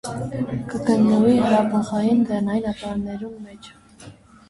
Կը գտնուի հրաբխային լեռնային ապարներուն մէջ։